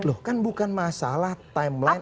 loh kan bukan masalah timeline